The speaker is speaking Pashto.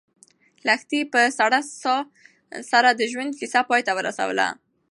لښتې په سړه ساه سره د ژوند کیسه پای ته ورسوله.